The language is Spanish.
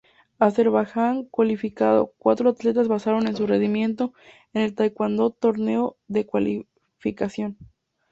Azerbaijan cualificado cuatro atletas basaron en su rendimiento en el Taekwondo Torneo de Cualificación.